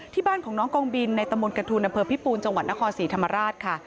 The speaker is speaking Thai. ที่บ้านของน้องกองบินในตำบลกระทูลอำเภอพิปูนจังหวัดนครศรีธรรมราชค่ะ